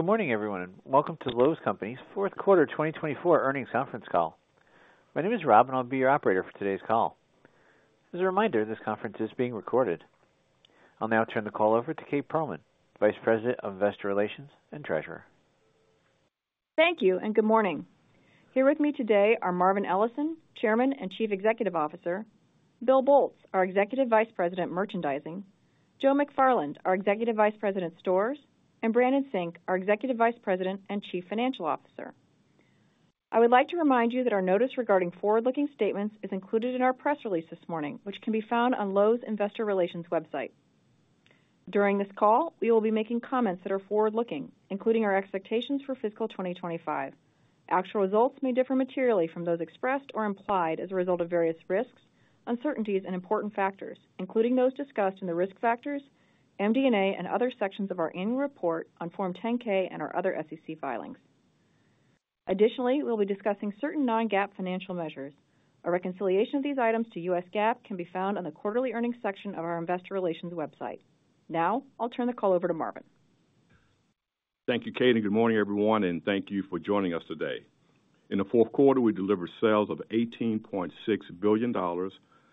Good morning, everyone. Welcome to Lowe's Companies' fourth quarter 2024 earnings conference call. My name is Rob, and I'll be your operator for today's call. As a reminder, this conference is being recorded. I'll now turn the call over to Kate Pearlman, Vice President of Investor Relations and Treasurer. Thank you, and good morning. Here with me today are Marvin Ellison, Chairman and Chief Executive Officer; Bill Boltz, our Executive Vice President, Merchandising; Joe McFarland, our Executive Vice President, Stores; and Brandon Sink, our Executive Vice President and Chief Financial Officer. I would like to remind you that our notice regarding forward-looking statements is included in our press release this morning, which can be found on Lowe's Investor Relations website. During this call, we will be making comments that are forward-looking, including our expectations for fiscal 2025. Actual results may differ materially from those expressed or implied as a result of various risks, uncertainties, and important factors, including those discussed in the risk factors, MD&A, and other sections of our annual report on Form 10-K and our other SEC filings. Additionally, we'll be discussing certain non-GAAP financial measures. A reconciliation of these items to U.S. GAAP can be found on the quarterly earnings section of our Investor Relations website. Now, I'll turn the call over to Marvin. Thank you, Kate, and good morning, everyone, and thank you for joining us today. In the fourth quarter, we delivered sales of $18.6 billion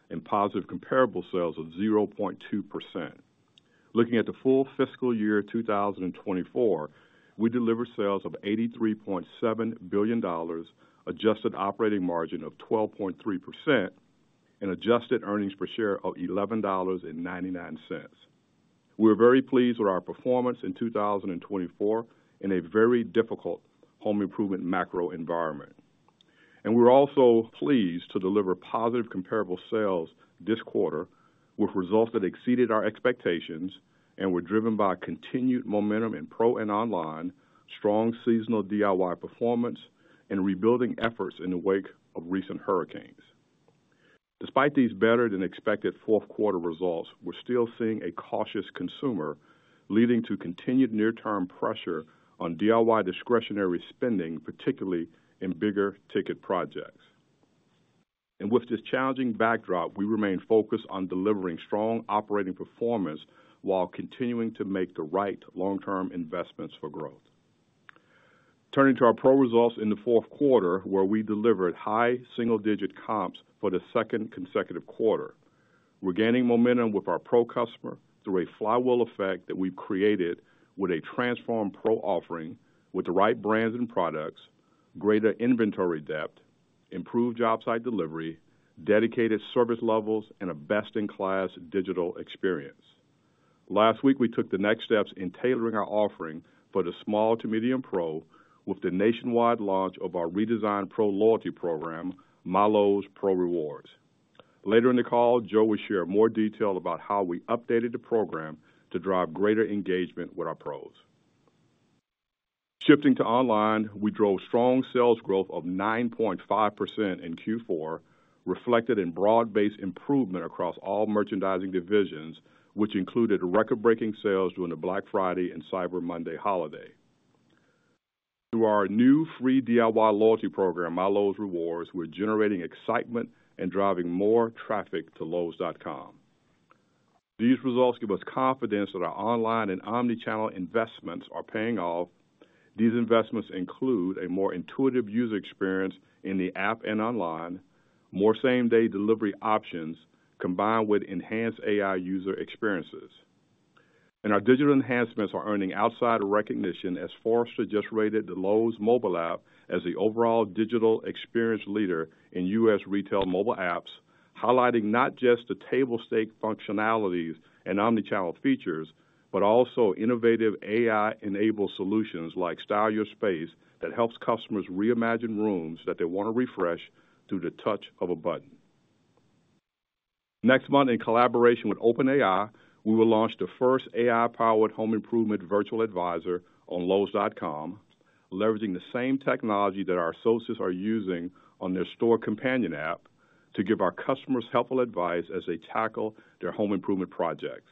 and positive comparable sales of 0.2%. Looking at the full fiscal year 2024, we delivered sales of $83.7 billion, adjusted operating margin of 12.3%, and adjusted earnings per share of $11.99. We're very pleased with our performance in 2024 in a very difficult home improvement macro environment. And we're also pleased to deliver positive comparable sales this quarter, with results that exceeded our expectations and were driven by continued momentum in Pro and online, strong seasonal DIY performance, and rebuilding efforts in the wake of recent hurricanes. Despite these better-than-expected fourth-quarter results, we're still seeing a cautious consumer, leading to continued near-term pressure on DIY discretionary spending, particularly in bigger ticket projects. With this challenging backdrop, we remain focused on delivering strong operating performance while continuing to make the right long-term investments for growth. Turning to our Pro results in the fourth quarter, where we delivered high single-digit comps for the second consecutive quarter, we're gaining momentum with our Pro customer through a flywheel effect that we've created with a transformed Pro offering with the right brands and products, greater inventory depth, improved jobsite delivery, dedicated service levels, and a best-in-class digital experience. Last week, we took the next steps in tailoring our offering for the small to medium Pro with the nationwide launch of our redesigned Pro loyalty program, MyLowe's Pro Rewards. Later in the call, Joe will share more detail about how we updated the program to drive greater engagement with our Pros. Shifting to online, we drove strong sales growth of 9.5% in Q4, reflected in broad-based improvement across all merchandising divisions, which included record-breaking sales during the Black Friday and Cyber Monday holiday. Through our new free DIY loyalty program, MyLowe's Rewards, we're generating excitement and driving more traffic to lowes.com. These results give us confidence that our online and omnichannel investments are paying off. These investments include a more intuitive user experience in the app and online, more same-day delivery options combined with enhanced AI user experiences. And our digital enhancements are earning outside recognition, as Forrester just rated the Lowe's Mobile App as the overall digital experience leader in U.S. retail mobile apps, highlighting not just the table stakes functionalities and omnichannel features, but also innovative AI-enabled solutions like Style Your Space that helps customers reimagine rooms that they want to refresh through the touch of a button. Next month, in collaboration with OpenAI, we will launch the first AI-powered home improvement virtual advisor on lowes.com, leveraging the same technology that our associates are using on their store companion app to give our customers helpful advice as they tackle their home improvement projects.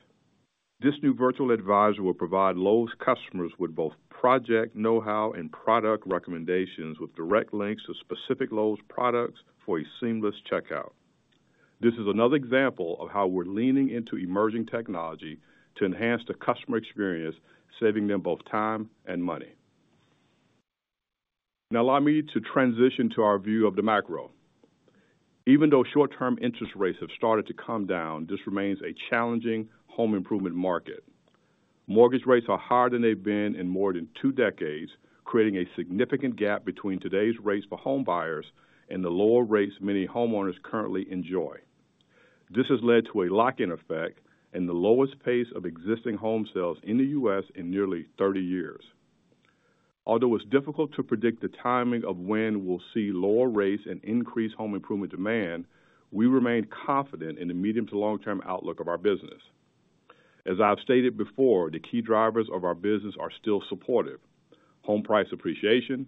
This new virtual advisor will provide Lowe's customers with both project know-how and product recommendations with direct links to specific Lowe's products for a seamless checkout. This is another example of how we're leaning into emerging technology to enhance the customer experience, saving them both time and money. Now, allow me to transition to our view of the macro. Even though short-term interest rates have started to come down, this remains a challenging home improvement market. Mortgage rates are higher than they've been in more than two decades, creating a significant gap between today's rates for home buyers and the lower rates many homeowners currently enjoy. This has led to a lock-in effect and the lowest pace of existing home sales in the U.S. in nearly 30 years. Although it's difficult to predict the timing of when we'll see lower rates and increased home improvement demand, we remain confident in the medium to long-term outlook of our business. As I've stated before, the key drivers of our business are still supportive: home price appreciation,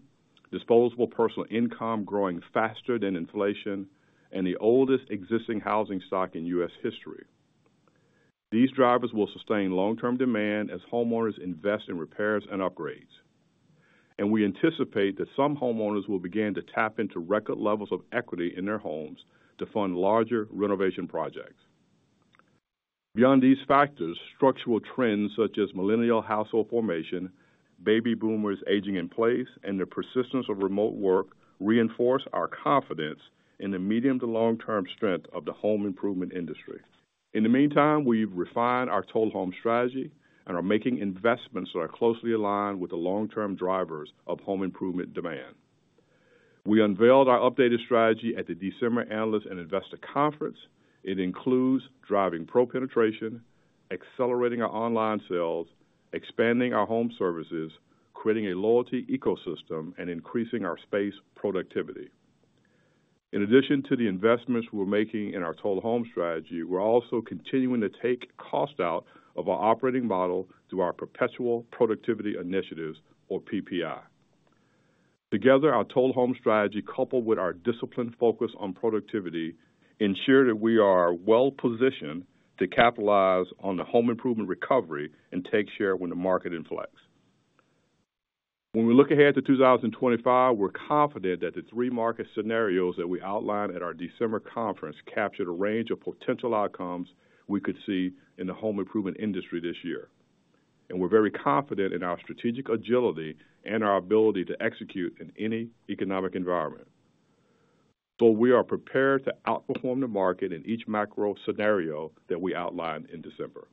disposable personal income growing faster than inflation, and the oldest existing housing stock in U.S. history. These drivers will sustain long-term demand as homeowners invest in repairs and upgrades, and we anticipate that some homeowners will begin to tap into record levels of equity in their homes to fund larger renovation projects. Beyond these factors, structural trends such as millennial household formation, baby boomers aging in place, and the persistence of remote work reinforce our confidence in the medium to long-term strength of the home improvement industry. In the meantime, we've refined our Total Home Strategy and are making investments that are closely aligned with the long-term drivers of home improvement demand. We unveiled our updated strategy at the December Analyst and Investor Conference. It includes driving Pro penetration, accelerating our online sales, expanding our home services, creating a loyalty ecosystem, and increasing our space productivity. In addition to the investments we're making in our Total Home Strategy, we're also continuing to take cost out of our operating model through our Perpetual Productivity Initiatives, or PPI. Together, our Total Home Strategy, coupled with our disciplined focus on productivity, ensures that we are well-positioned to capitalize on the home improvement recovery and take share when the market inflects. When we look ahead to 2025, we're confident that the three market scenarios that we outlined at our December conference captured a range of potential outcomes we could see in the home improvement industry this year. And we're very confident in our strategic agility and our ability to execute in any economic environment. So we are prepared to outperform the market in each macro scenario that we outlined in December.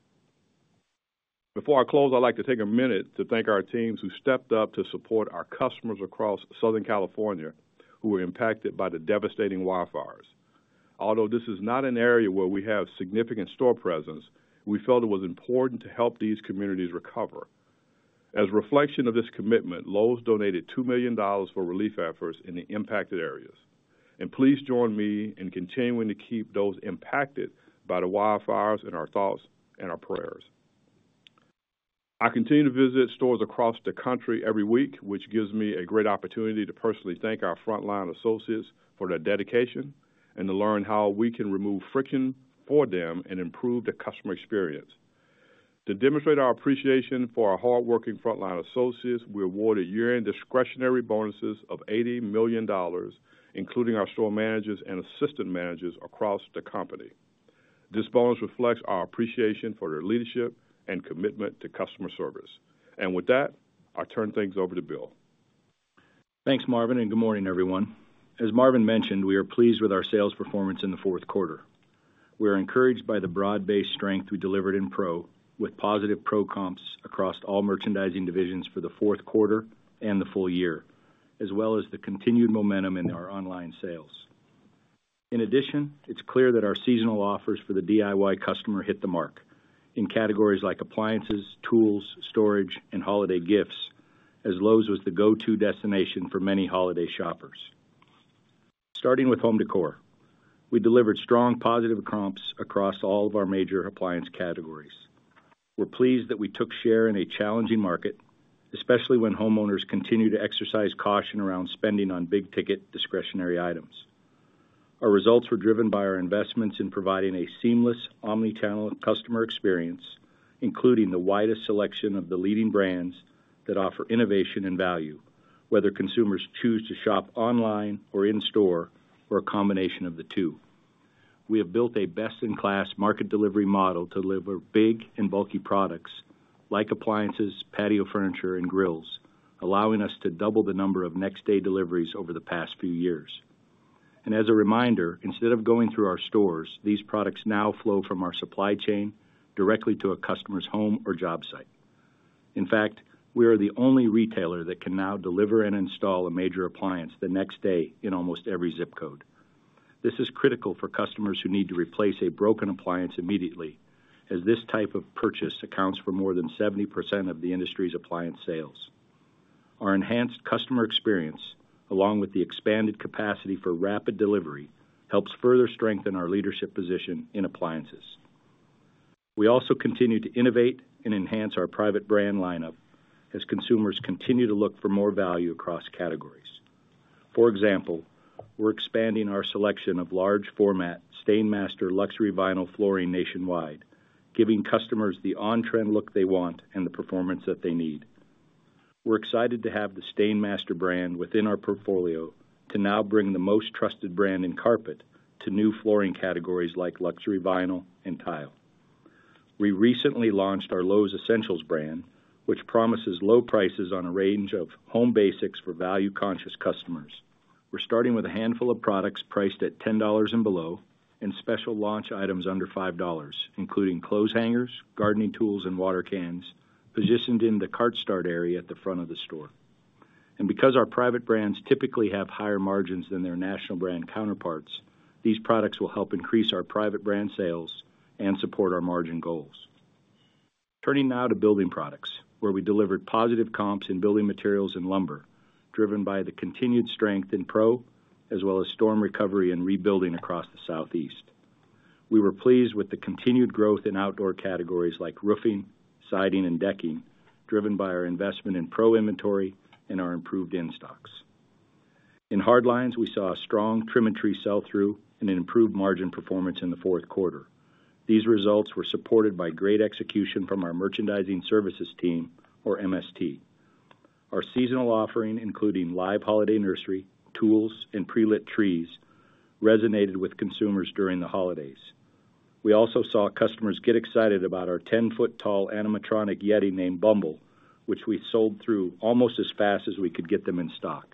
Before I close, I'd like to take a minute to thank our teams who stepped up to support our customers across Southern California who were impacted by the devastating wildfires. Although this is not an area where we have significant store presence, we felt it was important to help these communities recover. As a reflection of this commitment, Lowe's donated $2 million for relief efforts in the impacted areas. And please join me in continuing to keep those impacted by the wildfires in our thoughts and our prayers. I continue to visit stores across the country every week, which gives me a great opportunity to personally thank our frontline associates for their dedication and to learn how we can remove friction for them and improve the customer experience. To demonstrate our appreciation for our hardworking frontline associates, we awarded year-end discretionary bonuses of $80 million, including our store managers and assistant managers across the company. This bonus reflects our appreciation for their leadership and commitment to customer service. And with that, I turn things over to Bill. Thanks, Marvin, and good morning, everyone. As Marvin mentioned, we are pleased with our sales performance in the fourth quarter. We are encouraged by the broad-based strength we delivered in Pro, with positive Pro comps across all merchandising divisions for the fourth quarter and the full year, as well as the continued momentum in our online sales. In addition, it's clear that our seasonal offers for the DIY customer hit the mark in categories like appliances, tools, storage, and holiday gifts, as Lowe's was the go-to destination for many holiday shoppers. Starting with home decor, we delivered strong positive comps across all of our major appliance categories. We're pleased that we took share in a challenging market, especially when homeowners continue to exercise caution around spending on big-ticket discretionary items. Our results were driven by our investments in providing a seamless omnichannel customer experience, including the widest selection of the leading brands that offer innovation and value, whether consumers choose to shop online or in-store or a combination of the two. We have built a best-in-class market delivery model to deliver big and bulky products like appliances, patio furniture, and grills, allowing us to double the number of next-day deliveries over the past few years. And as a reminder, instead of going through our stores, these products now flow from our supply chain directly to a customer's home or job site. In fact, we are the only retailer that can now deliver and install a major appliance the next day in almost every zip code. This is critical for customers who need to replace a broken appliance immediately, as this type of purchase accounts for more than 70% of the industry's appliance sales. Our enhanced customer experience, along with the expanded capacity for rapid delivery, helps further strengthen our leadership position in appliances. We also continue to innovate and enhance our private brand lineup as consumers continue to look for more value across categories. For example, we're expanding our selection of large-format Stainmaster luxury vinyl flooring nationwide, giving customers the on-trend look they want and the performance that they need. We're excited to have the Stainmaster brand within our portfolio to now bring the most trusted brand in carpet to new flooring categories like luxury vinyl and tile. We recently launched our Lowe's Essentials brand, which promises low prices on a range of home basics for value-conscious customers. We're starting with a handful of products priced at $10 and below and special launch items under $5, including clothes hangers, gardening tools, and watering cans positioned in the Cart Start area at the front of the store, and because our private brands typically have higher margins than their national brand counterparts, these products will help increase our private brand sales and support our margin goals. Turning now to building products, where we delivered positive comps in building materials and lumber, driven by the continued strength in Pro, as well as storm recovery and rebuilding across the Southeast. We were pleased with the continued growth in outdoor categories like roofing, siding, and decking, driven by our investment in Pro inventory and our improved in-stocks. In hard lines, we saw a strong Trim-a-Tree sell-through and an improved margin performance in the fourth quarter. These results were supported by great execution from our Merchandising Services Team, or MST. Our seasonal offering, including live holiday nursery, tools, and pre-lit trees, resonated with consumers during the holidays. We also saw customers get excited about our 10-foot tall animatronic yeti named Bumble, which we sold through almost as fast as we could get them in stock.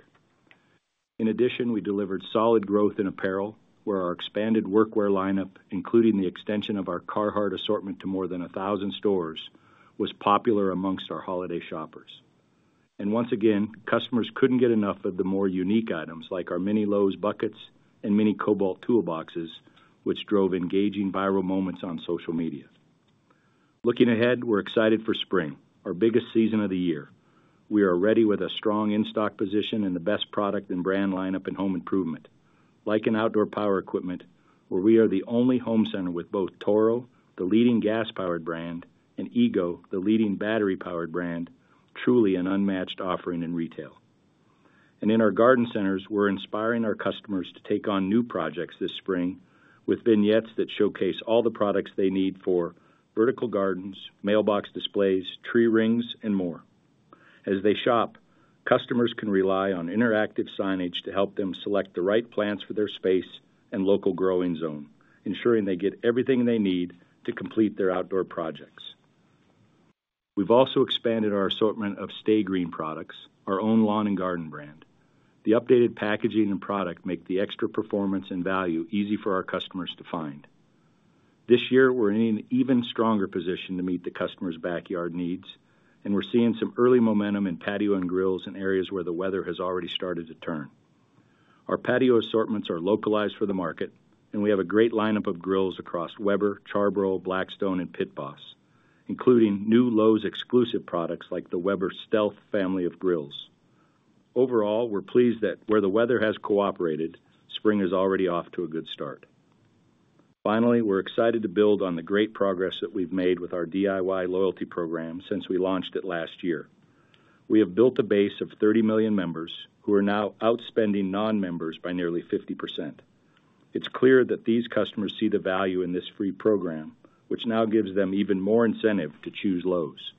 In addition, we delivered solid growth in apparel, where our expanded workwear lineup, including the extension of our Carhartt assortment to more than 1,000 stores, was popular amongst our holiday shoppers. And once again, customers couldn't get enough of the more unique items like our mini Lowe's buckets and mini Kobalt toolboxes, which drove engaging viral moments on social media. Looking ahead, we're excited for spring, our biggest season of the year. We are ready with a strong in-stock position and the best product and brand lineup in home improvement, like an outdoor power equipment, where we are the only home center with both Toro, the leading gas-powered brand, and EGO, the leading battery-powered brand, truly an unmatched offering in retail, and in our garden centers, we're inspiring our customers to take on new projects this spring with vignettes that showcase all the products they need for vertical gardens, mailbox displays, tree rings, and more. As they shop, customers can rely on interactive signage to help them select the right plants for their space and local growing zone, ensuring they get everything they need to complete their outdoor projects. We've also expanded our assortment of Sta-Green products, our own lawn and garden brand. The updated packaging and product make the extra performance and value easy for our customers to find. This year, we're in an even stronger position to meet the customer's backyard needs, and we're seeing some early momentum in patio and grills in areas where the weather has already started to turn. Our patio assortments are localized for the market, and we have a great lineup of grills across Weber, Char-Broil, Blackstone, and Pit Boss, including new Lowe's exclusive products like the Weber Stealth family of grills. Overall, we're pleased that where the weather has cooperated, spring is already off to a good start. Finally, we're excited to build on the great progress that we've made with our DIY loyalty program since we launched it last year. We have built a base of 30 million members who are now outspending non-members by nearly 50%. It's clear that these customers see the value in this free program, which now gives them even more incentive to choose Lowe's.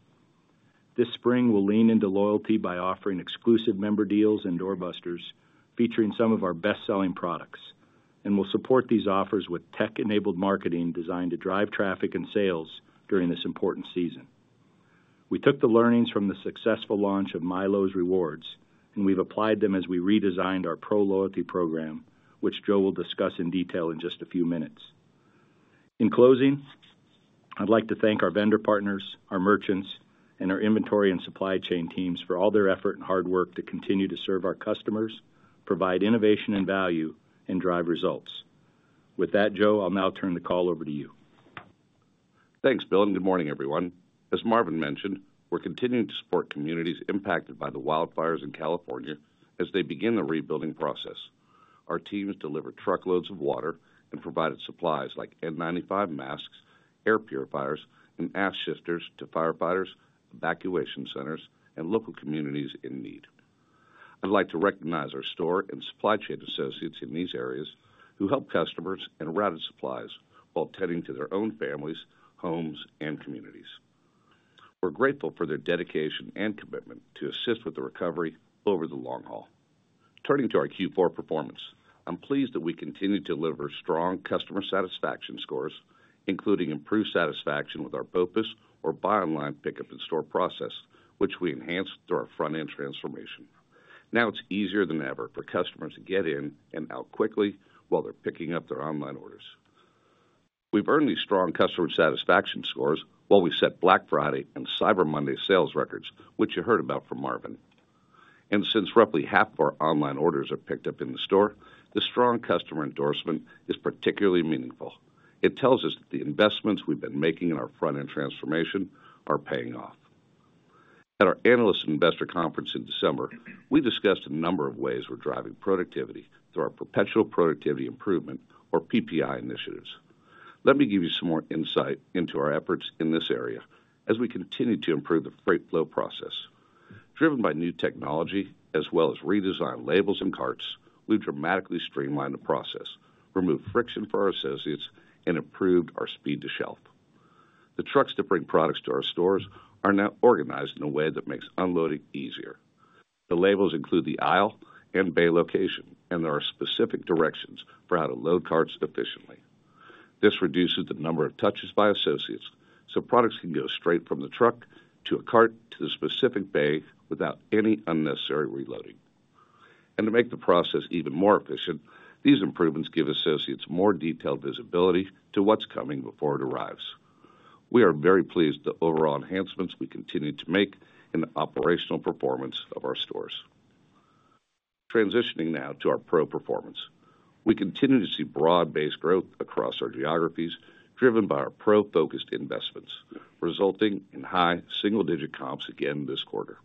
This spring, we'll lean into loyalty by offering exclusive member deals and doorbusters featuring some of our best-selling products, and we'll support these offers with tech-enabled marketing designed to drive traffic and sales during this important season. We took the learnings from the successful launch of MyLowe's Rewards, and we've applied them as we redesigned our Pro loyalty program, which Joe will discuss in detail in just a few minutes. In closing, I'd like to thank our vendor partners, our merchants, and our inventory and supply chain teams for all their effort and hard work to continue to serve our customers, provide innovation and value, and drive results. With that, Joe, I'll now turn the call over to you. Thanks, Bill, and good morning, everyone. As Marvin mentioned, we're continuing to support communities impacted by the wildfires in California as they begin the rebuilding process. Our teams deliver truckloads of water and provided supplies like N95 masks, air purifiers, and ash sifters to firefighters, evacuation centers, and local communities in need. I'd like to recognize our store and supply chain associates in these areas who help customers and routed supplies while tending to their own families, homes, and communities. We're grateful for their dedication and commitment to assist with the recovery over the long haul. Turning to our Q4 performance, I'm pleased that we continue to deliver strong customer satisfaction scores, including improved satisfaction with our BOPUS or buy online, pick up in store process, which we enhanced through our front-end transformation. Now it's easier than ever for customers to get in and out quickly while they're picking up their online orders. We've earned these strong customer satisfaction scores while we set Black Friday and Cyber Monday sales records, which you heard about from Marvin. And since roughly half of our online orders are picked up in the store, the strong customer endorsement is particularly meaningful. It tells us that the investments we've been making in our front-end transformation are paying off. At our Analysts and Investors Conference in December, we discussed a number of ways we're driving productivity through our Perpetual Productivity Improvement, or PPI, initiatives. Let me give you some more insight into our efforts in this area as we continue to improve the freight flow process. Driven by new technology, as well as redesigned labels and carts, we've dramatically streamlined the process, removed friction for our associates, and improved our speed to shelf. The trucks that bring products to our stores are now organized in a way that makes unloading easier. The labels include the aisle and bay location, and there are specific directions for how to load carts efficiently. This reduces the number of touches by associates so products can go straight from the truck to a cart to the specific bay without any unnecessary reloading, and to make the process even more efficient, these improvements give associates more detailed visibility to what's coming before it arrives. We are very pleased with the overall enhancements we continue to make in the operational performance of our stores. Transitioning now to our Pro performance, we continue to see broad-based growth across our geographies driven by our Pro-focused investments, resulting in high single-digit comps again this quarter.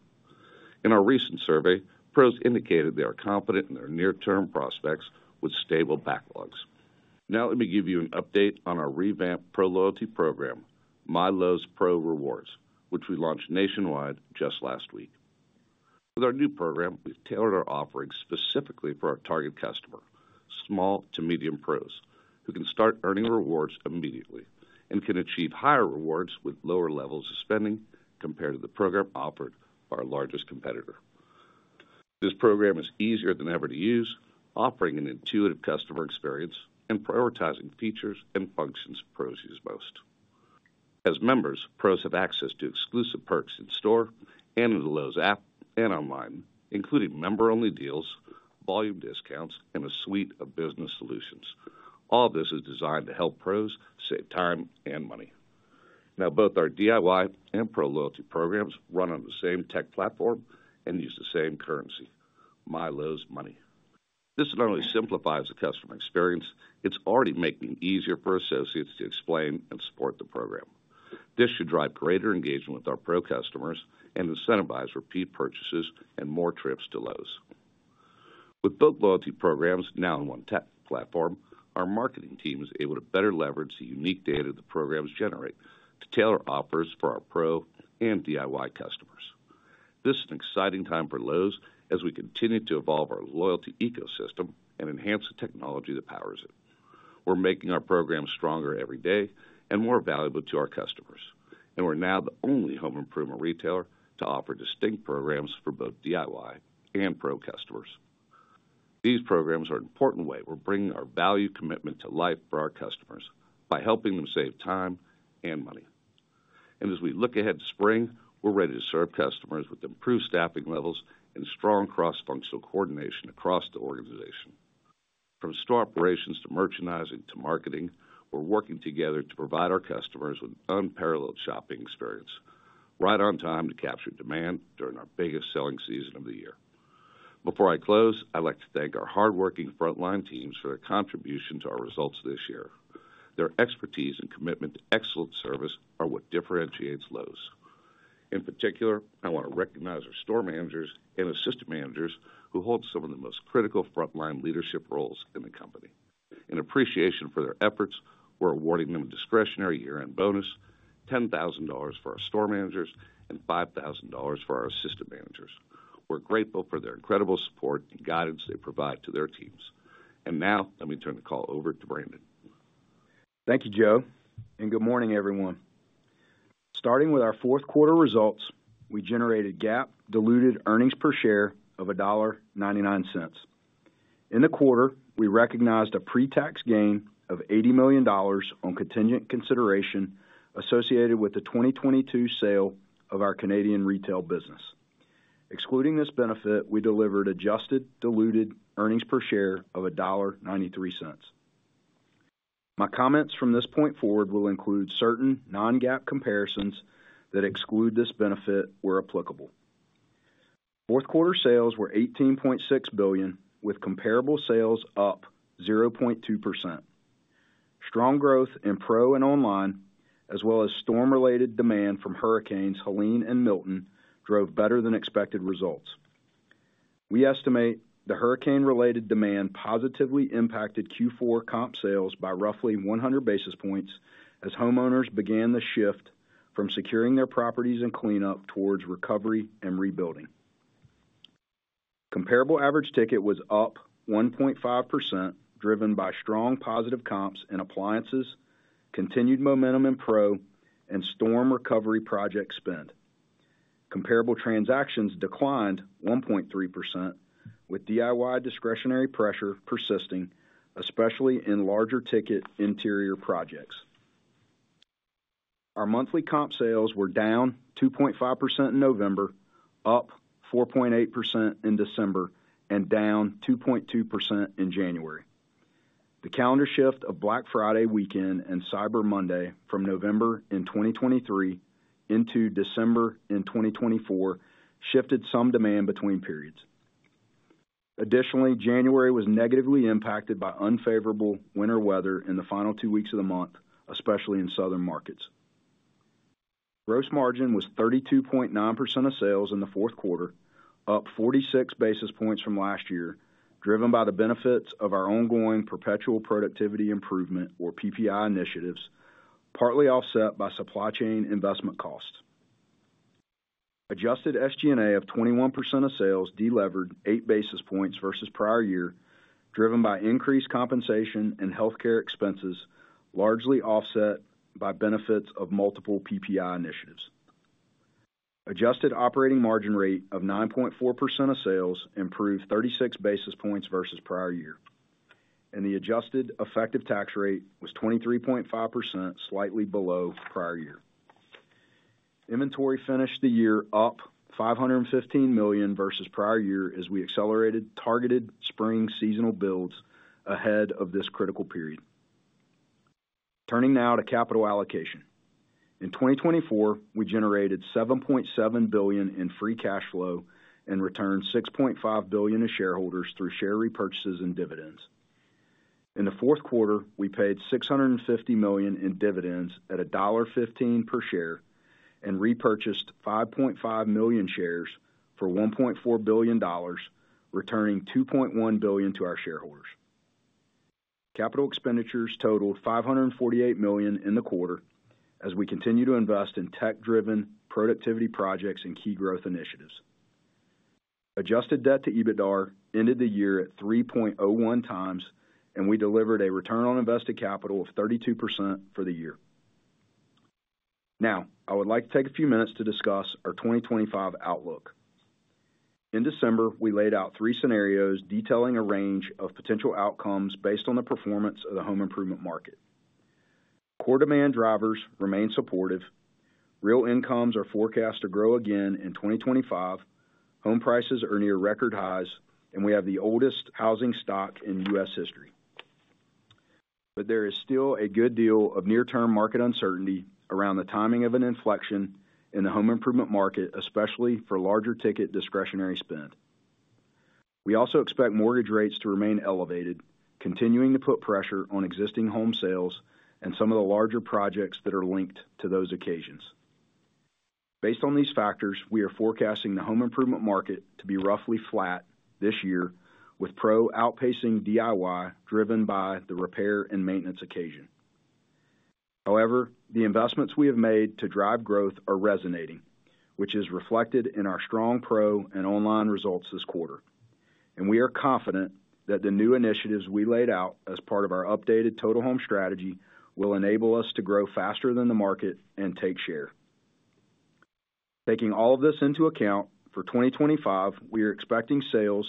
In our recent survey, Pros indicated they are confident in their near-term prospects with stable backlogs. Now let me give you an update on our revamped Pro loyalty program, MyLowe's Pro Rewards, which we launched nationwide just last week. With our new program, we've tailored our offering specifically for our target customer, small to medium Pros, who can start earning rewards immediately and can achieve higher rewards with lower levels of spending compared to the program offered by our largest competitor. This program is easier than ever to use, offering an intuitive customer experience and prioritizing features and functions Pros use most. As members, Pros have access to exclusive perks in store and in the Lowe's app and online, including member-only deals, volume discounts, and a suite of business solutions. All of this is designed to help Pros save time and money. Now, both our DIY and Pro loyalty programs run on the same tech platform and use the same currency, MyLowe's Money. This not only simplifies the customer experience, it's already making it easier for associates to explain and support the program. This should drive greater engagement with our Pro customers and incentivize repeat purchases and more trips to Lowe's. With both loyalty programs now in one tech platform, our marketing team is able to better leverage the unique data the programs generate to tailor offers for our Pro and DIY customers. This is an exciting time for Lowe's as we continue to evolve our loyalty ecosystem and enhance the technology that powers it. We're making our programs stronger every day and more valuable to our customers, and we're now the only home improvement retailer to offer distinct programs for both DIY and Pro customers. These programs are an important way we're bringing our value commitment to life for our customers by helping them save time and money, and as we look ahead to spring, we're ready to serve customers with improved staffing levels and strong cross-functional coordination across the organization. From store operations to merchandising to marketing, we're working together to provide our customers with unparalleled shopping experience, right on time to capture demand during our biggest selling season of the year. Before I close, I'd like to thank our hardworking frontline teams for their contribution to our results this year. Their expertise and commitment to excellent service are what differentiates Lowe's. In particular, I want to recognize our store managers and assistant managers who hold some of the most critical frontline leadership roles in the company. In appreciation for their efforts, we're awarding them a discretionary year-end bonus, $10,000 for our store managers, and $5,000 for our assistant managers. We're grateful for their incredible support and guidance they provide to their teams. And now, let me turn the call over to Brandon. Thank you, Joe, and good morning, everyone. Starting with our fourth quarter results, we generated GAAP-diluted earnings per share of $1.99. In the quarter, we recognized a pre-tax gain of $80 million on contingent consideration associated with the 2022 sale of our Canadian retail business. Excluding this benefit, we delivered adjusted diluted earnings per share of $1.93. My comments from this point forward will include certain non-GAAP comparisons that exclude this benefit where applicable. Fourth quarter sales were $18.6 billion, with comparable sales up 0.2%. Strong growth in Pro and online, as well as storm-related demand from hurricanes Helene and Milton, drove better-than-expected results. We estimate the hurricane-related demand positively impacted Q4 comp sales by roughly 100 basis points as homeowners began the shift from securing their properties and cleanup towards recovery and rebuilding. Comparable average ticket was up 1.5%, driven by strong positive comps in appliances, continued momentum in Pro, and storm recovery project spend. Comparable transactions declined 1.3%, with DIY discretionary pressure persisting, especially in larger ticket interior projects. Our monthly comp sales were down 2.5% in November, up 4.8% in December, and down 2.2% in January. The calendar shift of Black Friday weekend and Cyber Monday from November in 2023 into December in 2024 shifted some demand between periods. Additionally, January was negatively impacted by unfavorable winter weather in the final two weeks of the month, especially in southern markets. Gross margin was 32.9% of sales in the fourth quarter, up 46 basis points from last year, driven by the benefits of our ongoing Perpetual Productivity Improvement, or PPI, initiatives, partly offset by supply chain investment costs. Adjusted SG&A of 21% of sales delivered 8 basis points versus prior year, driven by increased compensation and healthcare expenses, largely offset by benefits of multiple PPI initiatives. Adjusted operating margin rate of 9.4% of sales improved 36 basis points versus prior year, and the adjusted effective tax rate was 23.5%, slightly below prior year. Inventory finished the year up $515 million versus prior year as we accelerated targeted spring seasonal builds ahead of this critical period. Turning now to capital allocation. In 2024, we generated $7.7 billion in free cash flow and returned $6.5 billion to shareholders through share repurchases and dividends. In the fourth quarter, we paid $650 million in dividends at $1.15 per share and repurchased 5.5 million shares for $1.4 billion, returning $2.1 billion to our shareholders. Capital expenditures totaled $548 million in the quarter as we continue to invest in tech-driven productivity projects and key growth initiatives. Adjusted debt to EBITDA ended the year at 3.01 times, and we delivered a return on invested capital of 32% for the year. Now, I would like to take a few minutes to discuss our 2025 outlook. In December, we laid out three scenarios detailing a range of potential outcomes based on the performance of the home improvement market. Core demand drivers remain supportive. Real incomes are forecast to grow again in 2025. Home prices are near record highs, and we have the oldest housing stock in U.S. history. But there is still a good deal of near-term market uncertainty around the timing of an inflection in the home improvement market, especially for larger ticket discretionary spend. We also expect mortgage rates to remain elevated, continuing to put pressure on existing home sales and some of the larger projects that are linked to those occasions. Based on these factors, we are forecasting the home improvement market to be roughly flat this year, with Pro outpacing DIY driven by the repair and maintenance occasion. However, the investments we have made to drive growth are resonating, which is reflected in our strong Pro and online results this quarter. And we are confident that the new initiatives we laid out as part of our updated Total Home Strategy will enable us to grow faster than the market and take share. Taking all of this into account, for 2025, we are expecting sales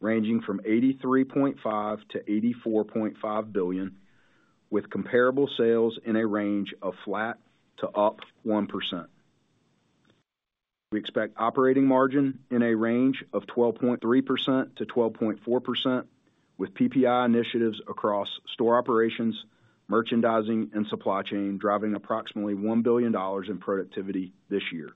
ranging from $83.5 billion-$84.5 billion, with comparable sales in a range of flat to up 1%. We expect operating margin in a range of 12.3%-12.4%, with PPI initiatives across store operations, merchandising, and supply chain driving approximately $1 billion in productivity this year.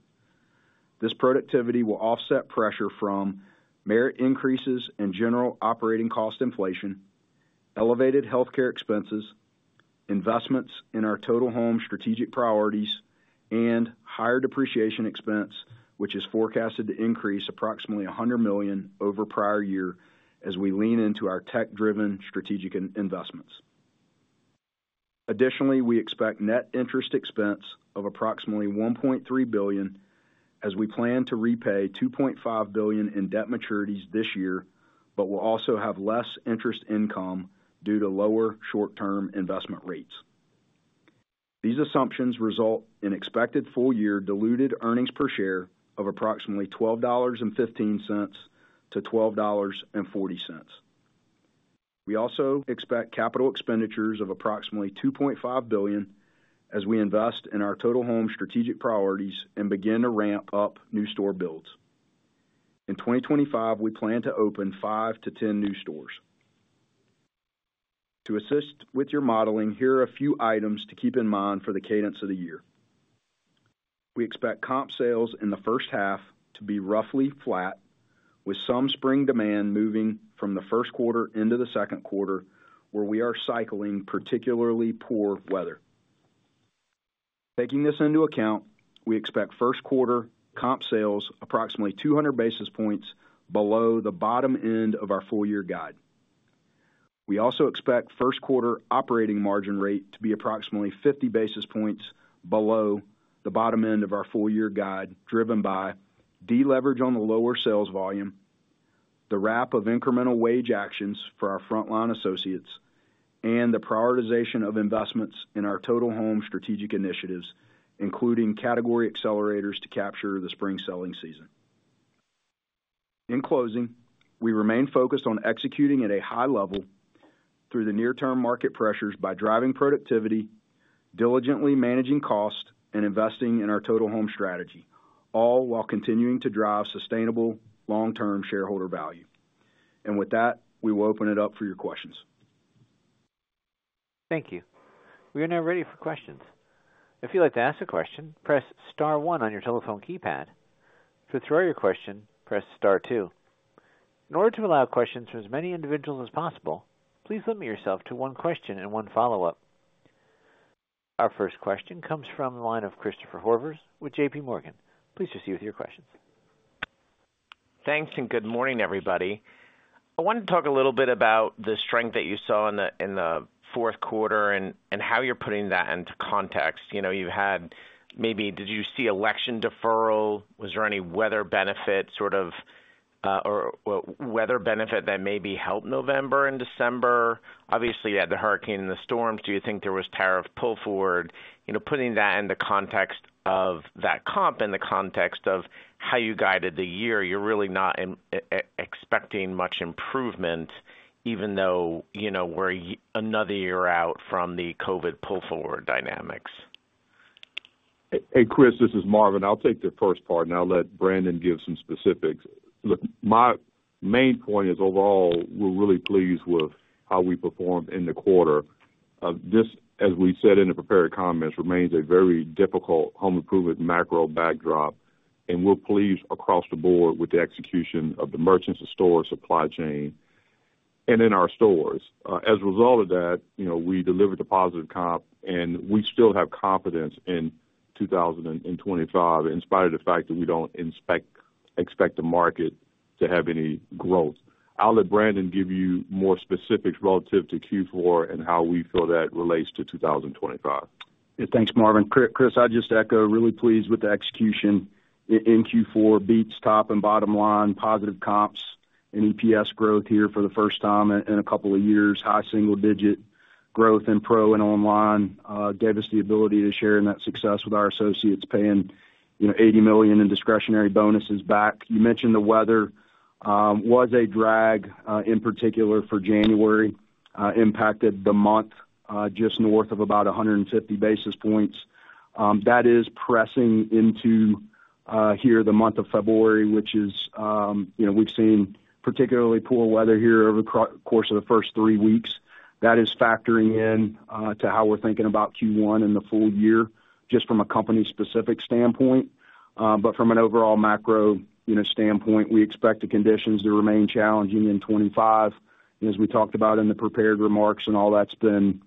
This productivity will offset pressure from merit increases and general operating cost inflation, elevated healthcare expenses, investments in our total home strategic priorities, and higher depreciation expense, which is forecasted to increase approximately $100 million over prior year as we lean into our tech-driven strategic investments. Additionally, we expect net interest expense of approximately $1.3 billion as we plan to repay $2.5 billion in debt maturities this year, but we'll also have less interest income due to lower short-term investment rates. These assumptions result in expected full-year diluted earnings per share of approximately $12.15-$12.40. We also expect capital expenditures of approximately $2.5 billion as we invest in our Total Home strategic priorities and begin to ramp up new store builds. In 2025, we plan to open 5-10 new stores. To assist with your modeling, here are a few items to keep in mind for the cadence of the year. We expect comp sales in the first half to be roughly flat, with some spring demand moving from the first quarter into the second quarter, where we are cycling particularly poor weather. Taking this into account, we expect first quarter comp sales approximately 200 basis points below the bottom end of our full-year guide. We also expect first quarter operating margin rate to be approximately 50 basis points below the bottom end of our full-year guide, driven by deleverage on the lower sales volume, the wrap of incremental wage actions for our frontline associates, and the prioritization of investments in our total home strategic initiatives, including Category Accelerators to capture the spring selling season. In closing, we remain focused on executing at a high level through the near-term market pressures by driving productivity, diligently managing costs, and investing in our Total Home Strategy, all while continuing to drive sustainable long-term shareholder value, and with that, we will open it up for your questions. Thank you. We are now ready for questions. If you'd like to ask a question, press Star 1 on your telephone keypad. If you'd like to withdraw your question, press Star 2. In order to allow questions from as many individuals as possible, please limit yourself to one question and one follow-up. Our first question comes from the line of Christopher Horvers with J.P. Morgan. Please proceed with your questions. Thanks and good morning, everybody. I wanted to talk a little bit about the strength that you saw in the fourth quarter and how you're putting that into context. You've had maybe, did you see election deferral? Was there any weather benefit, sort of, or weather benefit that maybe helped November and December? Obviously, you had the hurricane and the storms. Do you think there was tariff pull forward? Putting that into context of that comp and the context of how you guided the year, you're really not expecting much improvement, even though we're another year out from the COVID pull forward dynamics. Hey, Chris, this is Marvin. I'll take the first part, and I'll let Brandon give some specifics. Look, my main point is overall, we're really pleased with how we performed in the quarter. This, as we said in the prepared comments, remains a very difficult home improvement macro backdrop, and we're pleased across the board with the execution of the merchants, the stores, supply chain, and in our stores. As a result of that, we delivered a positive comp, and we still have confidence in 2025 in spite of the fact that we don't expect the market to have any growth. I'll let Brandon give you more specifics relative to Q4 and how we feel that relates to 2025. Yeah, thanks, Marvin. Chris, I'd just echo, really pleased with the execution in Q4. Beats top and bottom line, positive comps and EPS growth here for the first time in a couple of years. High single-digit growth in Pro and online gave us the ability to share in that success with our associates, paying $80 million in discretionary bonuses back. You mentioned the weather was a drag in particular for January, impacted the month just north of about 150 basis points. That is pressing into here the month of February, which is we've seen particularly poor weather here over the course of the first three weeks. That is factoring into how we're thinking about Q1 in the full year just from a company-specific standpoint. But from an overall macro standpoint, we expect the conditions to remain challenging in 2025. As we talked about in the prepared remarks and all that's been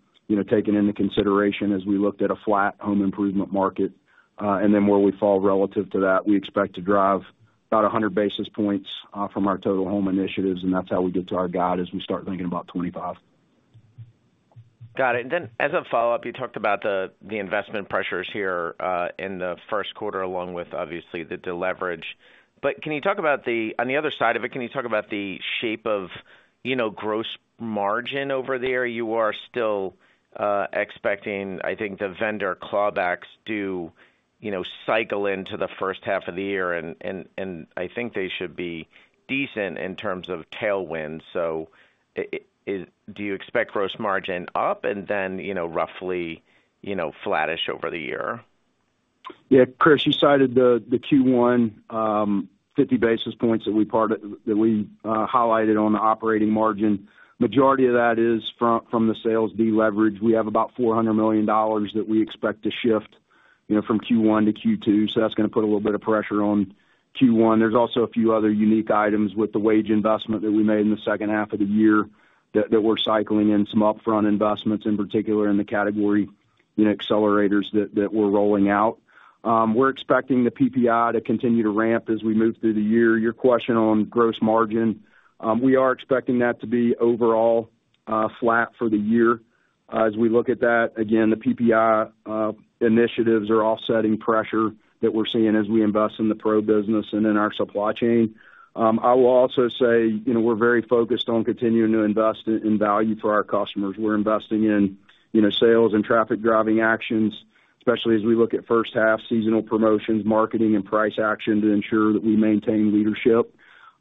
taken into consideration as we looked at a flat home improvement market, and then where we fall relative to that, we expect to drive about 100 basis points from our total home initiatives, and that's how we get to our guide as we start thinking about 2025. Got it, and then as a follow-up, you talked about the investment pressures here in the first quarter along with, obviously, the deleverage, but can you talk about the, on the other side of it, can you talk about the shape of gross margin over there? You are still expecting, I think, the vendor clawbacks to cycle into the first half of the year, and I think they should be decent in terms of tailwinds, so do you expect gross margin up and then roughly flattish over the year? Yeah, Chris, you cited the Q1 50 basis points that we highlighted on the operating margin. Majority of that is from the sales deleverage. We have about $400 million that we expect to shift from Q1 to Q2, so that's going to put a little bit of pressure on Q1. There's also a few other unique items with the wage investment that we made in the second half of the year that we're cycling in some upfront investments, in particular in the Category Accelerators that we're rolling out. We're expecting the PPI to continue to ramp as we move through the year. Your question on gross margin, we are expecting that to be overall flat for the year. As we look at that, again, the PPI initiatives are offsetting pressure that we're seeing as we invest in the Pro business and in our supply chain. I will also say we're very focused on continuing to invest in value for our customers. We're investing in sales and traffic-driving actions, especially as we look at first half seasonal promotions, marketing, and price action to ensure that we maintain leadership.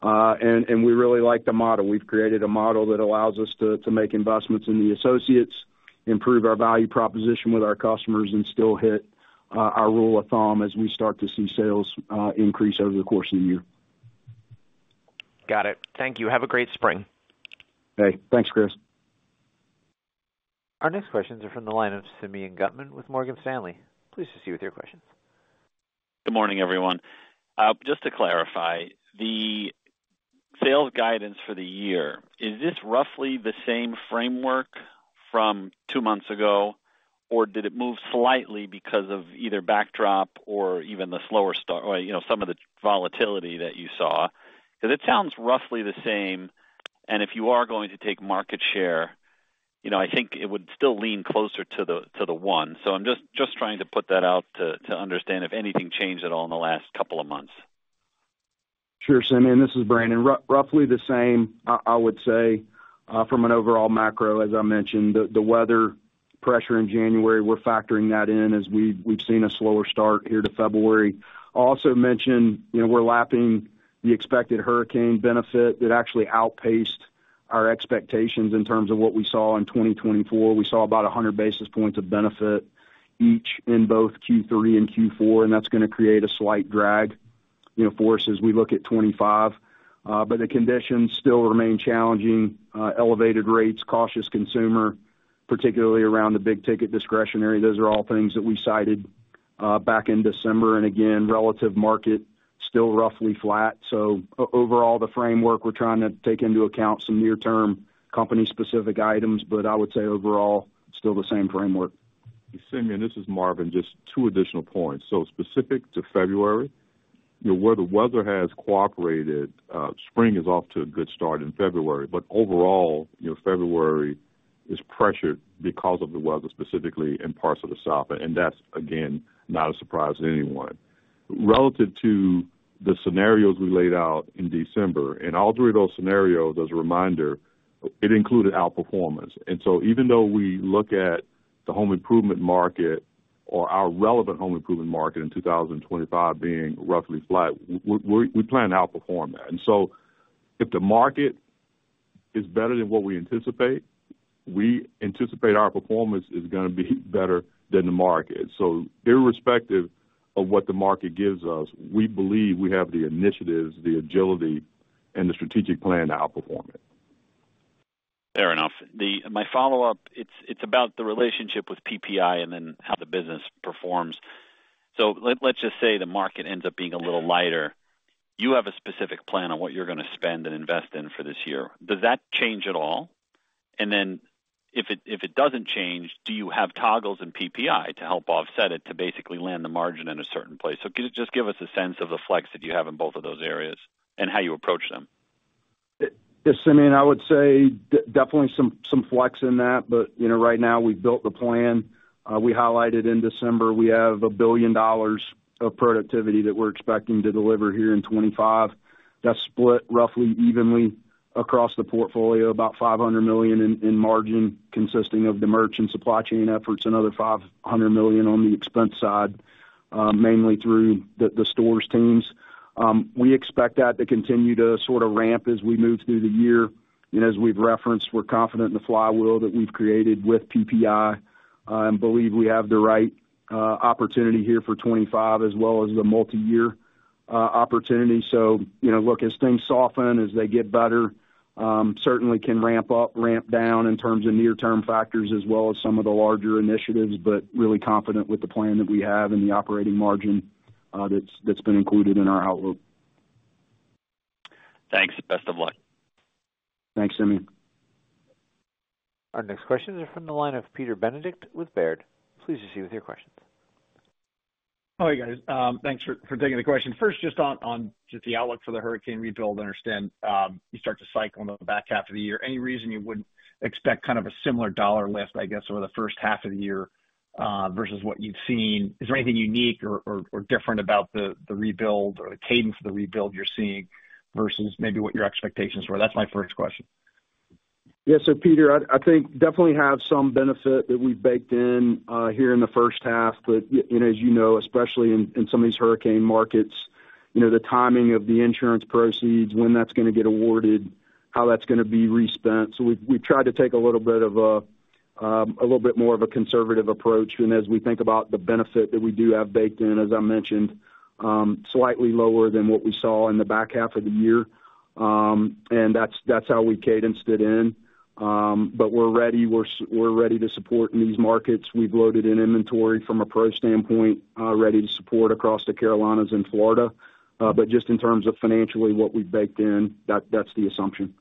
And we really like the model. We've created a model that allows us to make investments in the associates, improve our value proposition with our customers, and still hit our rule of thumb as we start to see sales increase over the course of the year. Got it. Thank you. Have a great spring. Hey, thanks, Chris. Our next questions are from the line of Simeon Gutman with Morgan Stanley. Please proceed with your questions. Good morning, everyone. Just to clarify, the sales guidance for the year, is this roughly the same framework from two months ago, or did it move slightly because of either backdrop or even the slower start or some of the volatility that you saw? Because it sounds roughly the same, and if you are going to take market share, I think it would still lean closer to the one. So I'm just trying to put that out to understand if anything changed at all in the last couple of months. Sure, Simeon. This is Brandon. Roughly the same, I would say, from an overall macro, as I mentioned, the weather pressure in January. We're factoring that in as we've seen a slower start here to February. I'll also mention we're lapping the expected hurricane benefit that actually outpaced our expectations in terms of what we saw in 2024. We saw about 100 basis points of benefit each in both Q3 and Q4, and that's going to create a slight drag for us as we look at 2025. But the conditions still remain challenging, elevated rates, cautious consumer, particularly around the big ticket discretionary. Those are all things that we cited back in December. And again, relative market still roughly flat. So overall, the framework, we're trying to take into account some near-term company-specific items, but I would say overall, still the same framework. Simeon, this is Marvin. Just two additional points. So specific to February, where the weather has cooperated, spring is off to a good start in February. But overall, February is pressured because of the weather, specifically in parts of the south. And that's, again, not a surprise to anyone. Relative to the scenarios we laid out in December, and I'll throw you those scenarios as a reminder, it included outperformance. And so even though we look at the home improvement market or our relevant home improvement market in 2025 being roughly flat, we plan to outperform that. And so if the market is better than what we anticipate, we anticipate our performance is going to be better than the market. So irrespective of what the market gives us, we believe we have the initiatives, the agility, and the strategic plan to outperform it. Fair enough. My follow-up, it's about the relationship with PPI and then how the business performs. So let's just say the market ends up being a little lighter. You have a specific plan on what you're going to spend and invest in for this year. Does that change at all? And then if it doesn't change, do you have toggles in PPI to help offset it to basically land the margin in a certain place? So just give us a sense of the flex that you have in both of those areas and how you approach them. Simeon, I would say definitely some flex in that. But right now, we've built the plan. We highlighted in December, we have $1 billion of productivity that we're expecting to deliver here in 2025. That's split roughly evenly across the portfolio, about $500 million in margin consisting of the merchandising supply chain efforts and other $500 million on the expense side, mainly through the stores teams. We expect that to continue to sort of ramp as we move through the year. As we've referenced, we're confident in the flywheel that we've created with PPI and believe we have the right opportunity here for 2025 as well as the multi-year opportunity. So look, as things soften, as they get better, certainly can ramp up, ramp down in terms of near-term factors as well as some of the larger initiatives, but really confident with the plan that we have and the operating margin that's been included in our outlook. Thanks. Best of luck. Thanks, Simeon. Our next questions are from the line of Peter Benedict with Baird. Please proceed with your questions. Hi, guys. Thanks for taking the question. First, just on the outlook for the hurricane rebuild, I understand you start to cycle in the back half of the year. Any reason you wouldn't expect kind of a similar dollar lift, I guess, over the first half of the year versus what you've seen? Is there anything unique or different about the rebuild or the cadence of the rebuild you're seeing versus maybe what your expectations were? That's my first question. Yeah. So Peter, I think definitely have some benefit that we've baked in here in the first half. But as you know, especially in some of these hurricane markets, the timing of the insurance proceeds, when that's going to get awarded, how that's going to be re-spent. So we've tried to take a little bit of a little bit more of a conservative approach. And as we think about the benefit that we do have baked in, as I mentioned, slightly lower than what we saw in the back half of the year. And that's how we cadenced it in. But we're ready. We're ready to support in these markets. We've loaded in inventory from a Pro standpoint, ready to support across the Carolinas and Florida. But just in terms of financially what we've baked in, that's the assumption.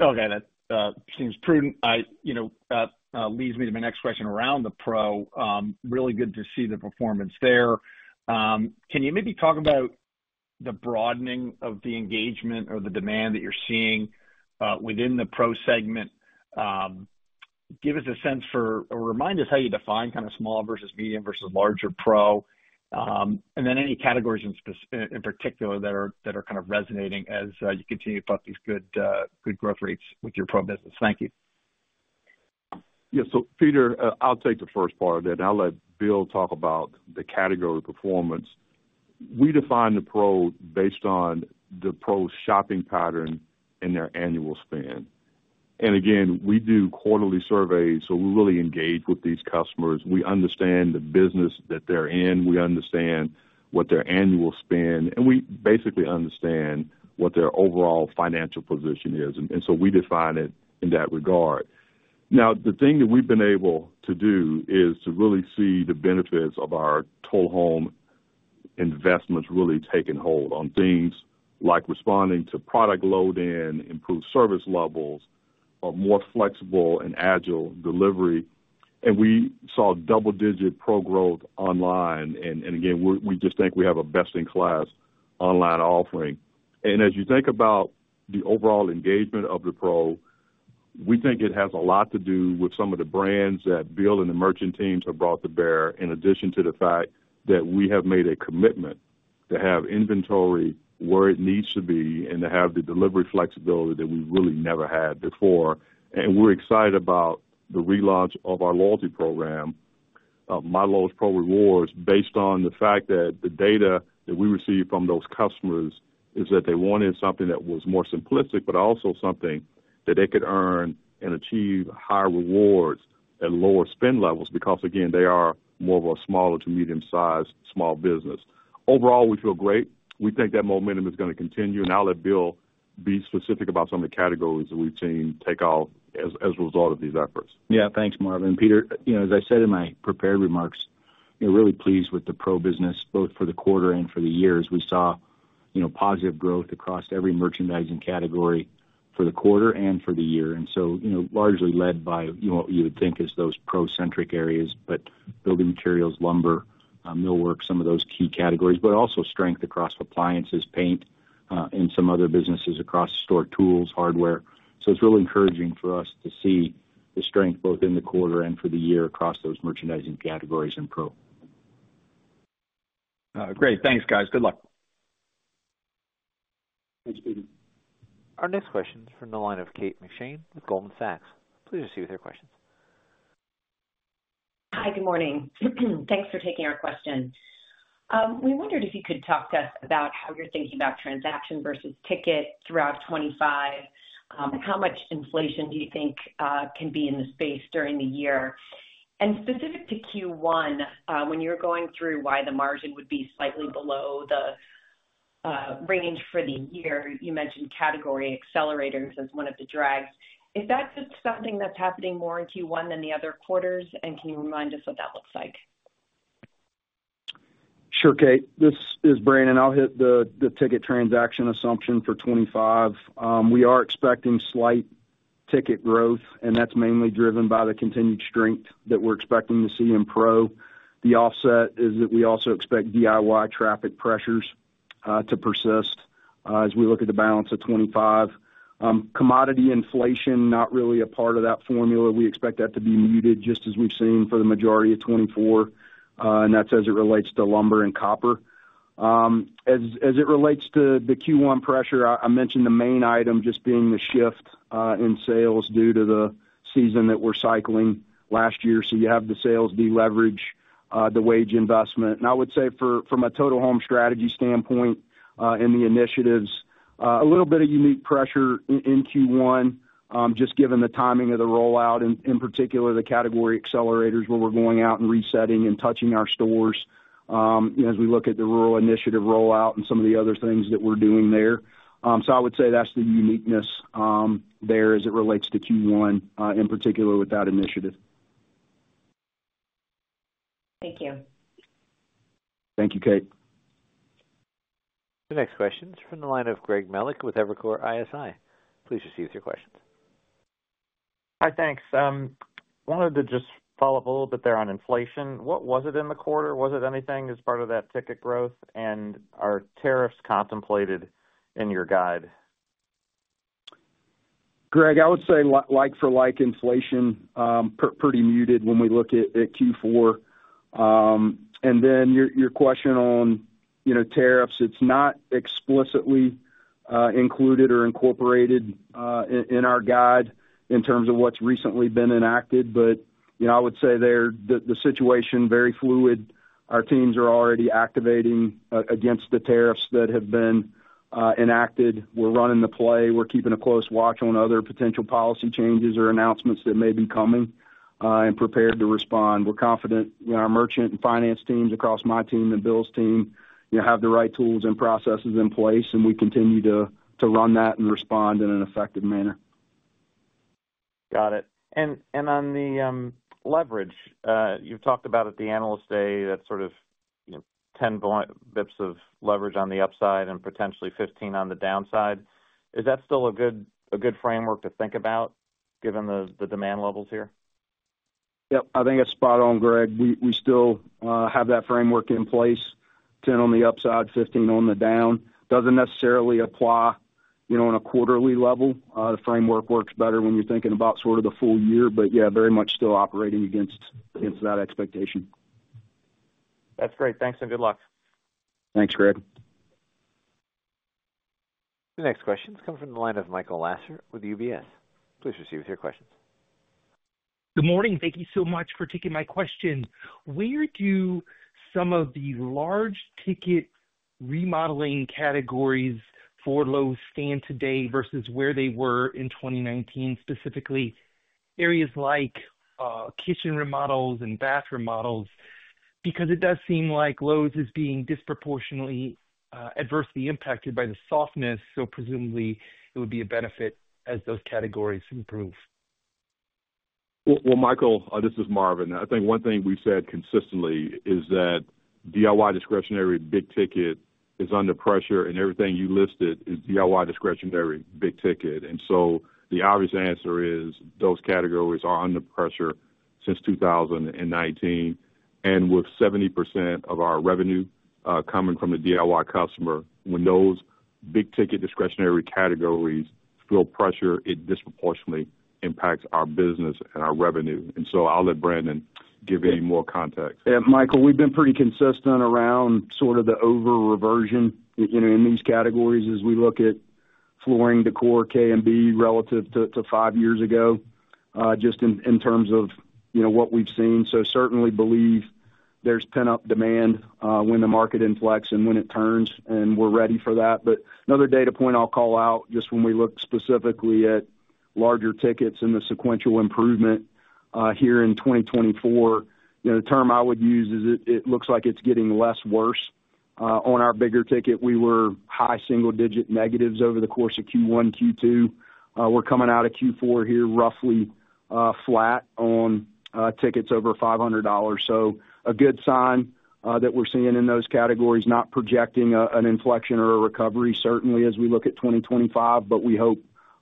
Okay. That seems prudent. Leads me to my next question around the Pro. Really good to see the performance there. Can you maybe talk about the broadening of the engagement or the demand that you're seeing within the Pro segment? Give us a sense for or remind us how you define kind of small versus medium versus larger Pro, and then any categories in particular that are kind of resonating as you continue to put these good growth rates with your Pro business. Thank you. Yeah. So Peter, I'll take the first part of that, and I'll let Bill talk about the category performance. We define the Pro based on the Pro's shopping pattern and their annual spend. And again, we do quarterly surveys, so we really engage with these customers. We understand the business that they're in. We understand what their annual spend, and we basically understand what their overall financial position is. And so we define it in that regard. Now, the thing that we've been able to do is to really see the benefits of our total home investments really taking hold on things like responding to product load-in, improved service levels, or more flexible and agile delivery. And we saw double-digit Pro growth online. And again, we just think we have a best-in-class online offering. As you think about the overall engagement of the Pro, we think it has a lot to do with some of the brands that Bill and the merchant teams have brought to bear, in addition to the fact that we have made a commitment to have inventory where it needs to be and to have the delivery flexibility that we really never had before. We're excited about the relaunch of our loyalty program, MyLowe's Pro Rewards, based on the fact that the data that we received from those customers is that they wanted something that was more simplistic, but also something that they could earn and achieve higher rewards at lower spend levels because, again, they are more of a smaller to medium-sized small business. Overall, we feel great. We think that momentum is going to continue. I'll let Bill be specific about some of the categories that we've seen take off as a result of these efforts. Yeah. Thanks, Marvin. Peter, as I said in my prepared remarks, really pleased with the Pro business, both for the quarter and for the year. As we saw positive growth across every merchandising category for the quarter and for the year, and so largely led by what you would think is those Pro-centric areas, but building materials, lumber, millwork, some of those key categories, but also strength across appliances, paint, and some other businesses across store tools, hardware. So it's really encouraging for us to see the strength both in the quarter and for the year across those merchandising categories and Pro. Great. Thanks, guys. Good luck. Thanks, Peter. Our next question is from the line of Kate McShane with Goldman Sachs. Please proceed with your questions. Hi, good morning. Thanks for taking our question. We wondered if you could talk to us about how you're thinking about transaction versus ticket throughout 2025, how much inflation do you think can be in the space during the year? And specific to Q1, when you're going through why the margin would be slightly below the range for the year, you mentioned Category Accelerators as one of the drags. Is that just something that's happening more in Q1 than the other quarters? And can you remind us what that looks like? Sure, Kate. This is Brandon. I'll hit the ticket transaction assumption for 2025. We are expecting slight ticket growth, and that's mainly driven by the continued strength that we're expecting to see in Pro. The offset is that we also expect DIY traffic pressures to persist as we look at the balance of 2025. Commodity inflation, not really a part of that formula. We expect that to be muted just as we've seen for the majority of 2024, and that's as it relates to lumber and copper. As it relates to the Q1 pressure, I mentioned the main item just being the shift in sales due to the season that we're cycling last year, so you have the sales deleverage, the wage investment. I would say from a Total Home Strategy standpoint and the initiatives, a little bit of unique pressure in Q1, just given the timing of the rollout, in particular the Category Accelerators where we're going out and resetting and touching our stores as we look at the rural initiative rollout and some of the other things that we're doing there. So I would say that's the uniqueness there as it relates to Q1, in particular with that initiative. Thank you. Thank you, Kate. The next question is from the line of Greg Melich with Evercore ISI. Please proceed with your questions. Hi, thanks. Wanted to just follow up a little bit there on inflation. What was it in the quarter? Was it anything as part of that ticket growth? And are tariffs contemplated in your guide? Greg, I would say like-for-like inflation, pretty muted when we look at Q4. And then your question on tariffs, it's not explicitly included or incorporated in our guide in terms of what's recently been enacted. But I would say the situation is very fluid. Our teams are already activating against the tariffs that have been enacted. We're running the play. We're keeping a close watch on other potential policy changes or announcements that may be coming and prepared to respond. We're confident our merchant and finance teams across my team and Bill's team have the right tools and processes in place, and we continue to run that and respond in an effective manner. Got it. And on the leverage, you've talked about at the analyst day that sort of 10 basis points of leverage on the upside and potentially 15 on the downside. Is that still a good framework to think about given the demand levels here? Yep. I think it's spot on, Greg. We still have that framework in place, 10 on the upside, 15 on the down. Doesn't necessarily apply on a quarterly level. The framework works better when you're thinking about sort of the full year. But yeah, very much still operating against that expectation. That's great. Thanks and good luck. Thanks, Greg. The next question is coming from the line of Michael Lasser with UBS. Please proceed with your questions. Good morning. Thank you so much for taking my question. Where do some of the large ticket remodeling categories for Lowe's stand today versus where they were in 2019, specifically areas like kitchen remodels and bath remodels? Because it does seem like Lowe's is being disproportionately adversely impacted by the softness, so presumably it would be a benefit as those categories improve. Michael, this is Marvin. I think one thing we've said consistently is that DIY discretionary big ticket is under pressure, and everything you listed is DIY discretionary big ticket. And so the obvious answer is those categories are under pressure since 2019. And with 70% of our revenue coming from the DIY customer, when those big ticket discretionary categories feel pressure, it disproportionately impacts our business and our revenue. And so I'll let Brandon give any more context. Yeah. Michael, we've been pretty consistent around sort of the over-reversion in these categories as we look at flooring decor, K&B, relative to five years ago, just in terms of what we've seen. So certainly believe there's pent-up demand when the market inflects and when it turns, and we're ready for that. But another data point I'll call out just when we look specifically at larger tickets and the sequential improvement here in 2024, the term I would use is it looks like it's getting less worse. On our bigger ticket, we were high single-digit negatives over the course of Q1, Q2. We're coming out of Q4 here roughly flat on tickets over $500. So, a good sign that we're seeing in those categories, not projecting an inflection or a recovery certainly as we look at 2025, but we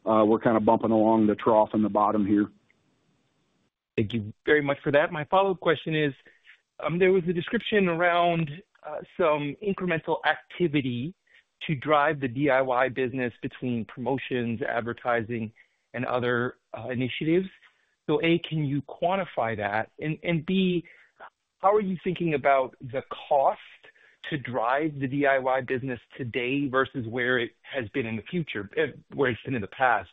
hope we're kind of bumping along the trough and the bottom here. Thank you very much for that. My follow-up question is there was a description around some incremental activity to drive the DIY business between promotions, advertising, and other initiatives. So A, can you quantify that? And B, how are you thinking about the cost to drive the DIY business today versus where it has been in the future, where it's been in the past?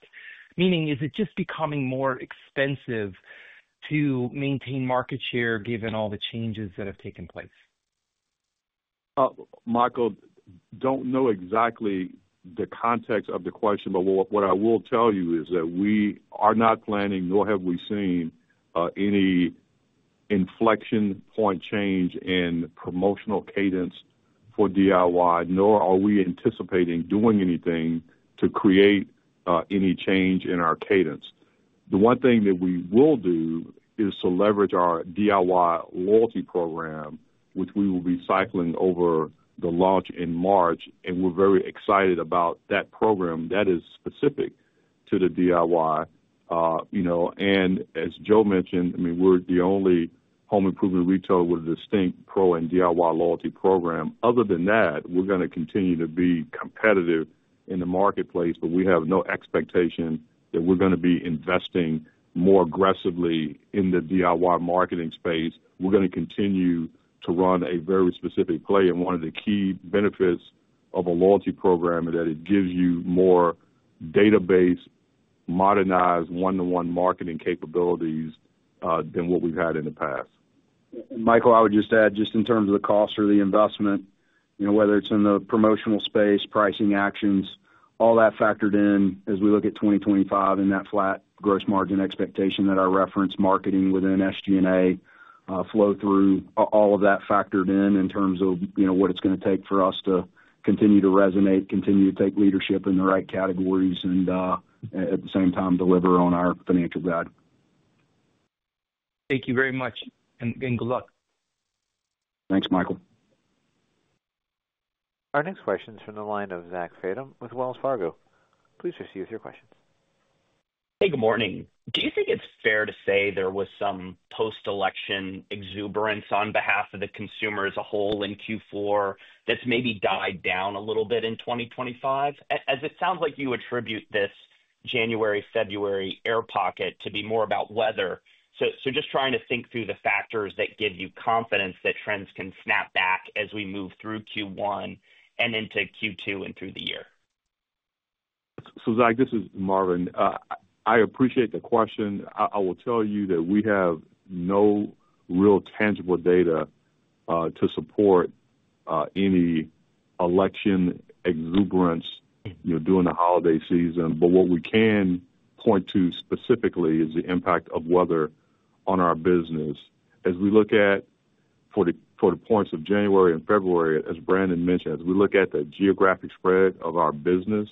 Meaning, is it just becoming more expensive to maintain market share given all the changes that have taken place? Michael, I don't know exactly the context of the question, but what I will tell you is that we are not planning, nor have we seen any inflection point change in promotional cadence for DIY, nor are we anticipating doing anything to create any change in our cadence. The one thing that we will do is to leverage our DIY loyalty program, which we will be cycling over the launch in March. And we're very excited about that program that is specific to the DIY. And as Joe mentioned, I mean, we're the only home improvement retailer with a distinct Pro and DIY loyalty program. Other than that, we're going to continue to be competitive in the marketplace, but we have no expectation that we're going to be investing more aggressively in the DIY marketing space. We're going to continue to run a very specific play. One of the key benefits of a loyalty program is that it gives you more data-based, modernized one-to-one marketing capabilities than what we've had in the past. Michael, I would just add, just in terms of the cost or the investment, whether it's in the promotional space, pricing actions, all that factored in as we look at 2025 in that flat gross margin expectation that our reference marketing within SG&A flow through, all of that factored in in terms of what it's going to take for us to continue to resonate, continue to take leadership in the right categories, and at the same time deliver on our financial guide. Thank you very much, and good luck. Thanks, Michael. Our next question is from the line of Zach Fadem with Wells Fargo. Please proceed with your questions. Hey, good morning. Do you think it's fair to say there was some post-election exuberance on behalf of the consumer as a whole in Q4 that's maybe died down a little bit in 2025? As it sounds like you attribute this January, February air pocket to be more about weather. So just trying to think through the factors that give you confidence that trends can snap back as we move through Q1 and into Q2 and through the year. So Zach, this is Marvin. I appreciate the question. I will tell you that we have no real tangible data to support any election exuberance during the holiday season. But what we can point to specifically is the impact of weather on our business. As we look at the first four weeks of January and February, as Brandon mentioned, as we look at the geographic spread of our business,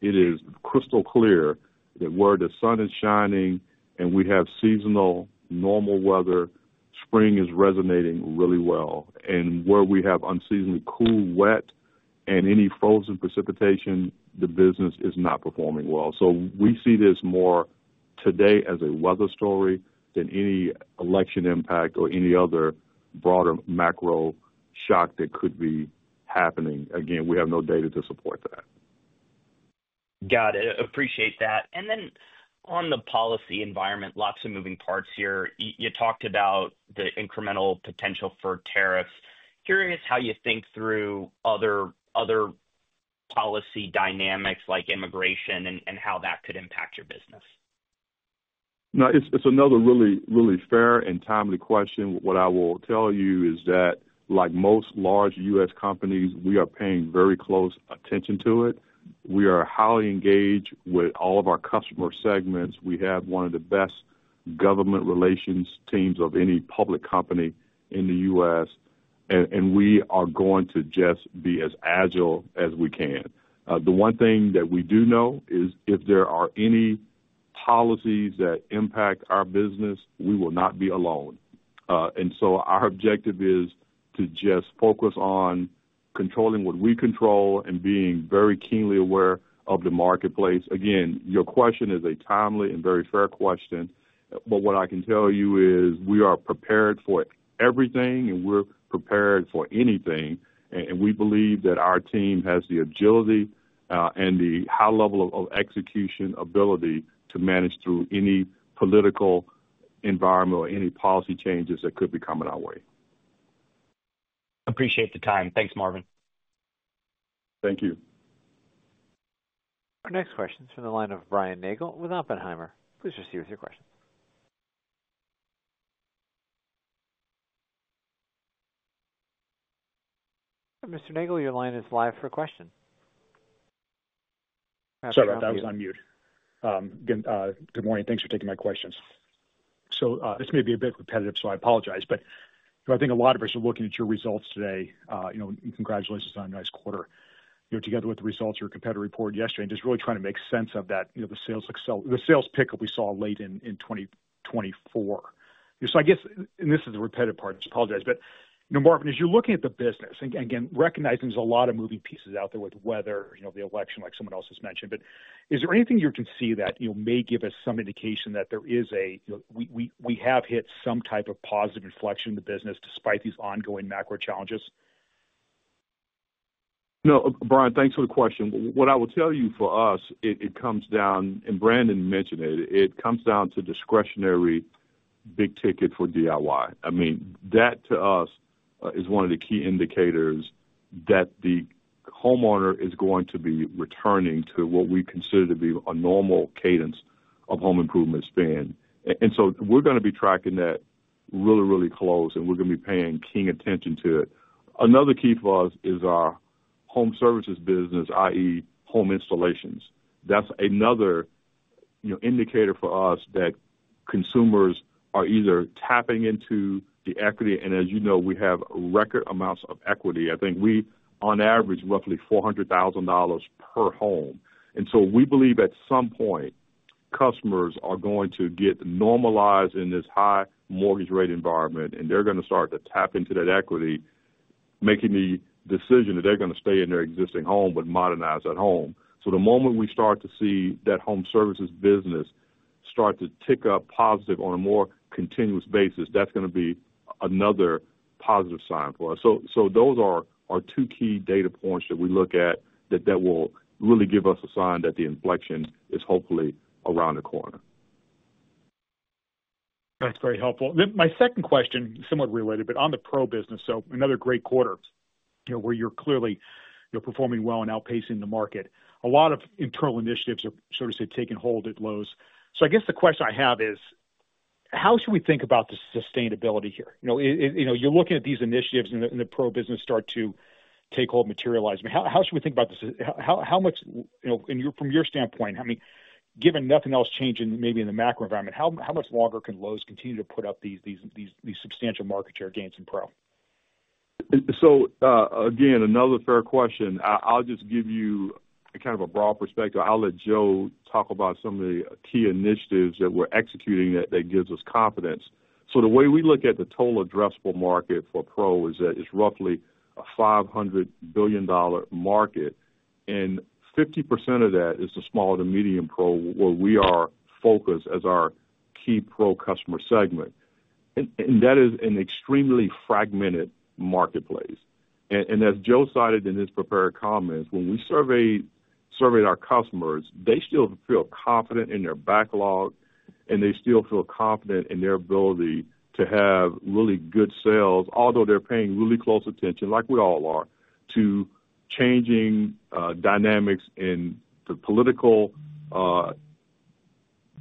it is crystal clear that where the sun is shining and we have seasonal normal weather, spring is resonating really well. And where we have unseasonably cool, wet, and any frozen precipitation, the business is not performing well. So we see this more today as a weather story than any election impact or any other broader macro shock that could be happening. Again, we have no data to support that. Got it. Appreciate that. And then on the policy environment, lots of moving parts here. You talked about the incremental potential for tariffs. Curious how you think through other policy dynamics like immigration and how that could impact your business? No, it's another really, really fair and timely question. What I will tell you is that, like most large U.S. companies, we are paying very close attention to it. We are highly engaged with all of our customer segments. We have one of the best government relations teams of any public company in the U.S. And we are going to just be as agile as we can. The one thing that we do know is if there are any policies that impact our business, we will not be alone. And so our objective is to just focus on controlling what we control and being very keenly aware of the marketplace. Again, your question is a timely and very fair question. But what I can tell you is we are prepared for everything, and we're prepared for anything. We believe that our team has the agility and the high level of execution ability to manage through any political environment or any policy changes that could be coming our way. Appreciate the time. Thanks, Marvin. Thank you. Our next question is from the line of Brian Nagel with Oppenheimer. Please proceed with your questions. Mr. Nagel, your line is live for a question. Sorry, I was on mute. Good morning. Thanks for taking my questions. So this may be a bit repetitive, so I apologize. But I think a lot of us are looking at your results today. Congratulations on a nice quarter. Together with the results, your competitor report yesterday, and just really trying to make sense of that, the sales pickup we saw late in 2024. So I guess, and this is the repetitive part, I apologize. But Marvin, as you're looking at the business, again, recognizing there's a lot of moving pieces out there with weather, the election, like someone else has mentioned. But is there anything you can see that may give us some indication that there is a we have hit some type of positive inflection in the business despite these ongoing macro challenges? No, Brian, thanks for the question. What I will tell you for us, it comes down, and Brandon mentioned it, it comes down to discretionary big ticket for DIY. I mean, that to us is one of the key indicators that the homeowner is going to be returning to what we consider to be a normal cadence of home improvement spend. And so we're going to be tracking that really, really close, and we're going to be paying keen attention to it. Another key for us is our home services business, i.e., home installations. That's another indicator for us that consumers are either tapping into the equity. And as you know, we have record amounts of equity. I think we, on average, roughly $400,000 per home. And so we believe at some point, customers are going to get normalized in this high mortgage rate environment, and they're going to start to tap into that equity, making the decision that they're going to stay in their existing home but modernize that home. So the moment we start to see that home services business start to tick up positive on a more continuous basis, that's going to be another positive sign for us. So those are our two key data points that we look at that will really give us a sign that the inflection is hopefully around the corner. That's very helpful. My second question, somewhat related, but on the Pro business, so another great quarter where you're clearly performing well and outpacing the market. A lot of internal initiatives are sort of taking hold at Lowe's. So I guess the question I have is, how should we think about the sustainability here? You're looking at these initiatives and the Pro business start to take hold, materialize. How should we think about this? And from your standpoint, I mean, given nothing else changing maybe in the macro environment, how much longer can Lowe's continue to put up these substantial market share gains in Pro? So again, another fair question. I'll just give you kind of a broad perspective. I'll let Joe talk about some of the key initiatives that we're executing that gives us confidence. So the way we look at the total addressable market for Pro is that it's roughly a $500 billion market. And 50% of that is the small to medium Pro where we are focused as our key Pro customer segment. And that is an extremely fragmented marketplace. And as Joe cited in his prepared comments, when we surveyed our customers, they still feel confident in their backlog, and they still feel confident in their ability to have really good sales, although they're paying really close attention, like we all are, to changing dynamics in the political